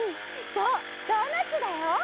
そうドーナツだよ！